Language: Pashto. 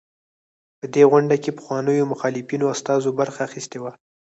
په دې غونډه کې پخوانيو مخالفینو استازو برخه اخیستې وه.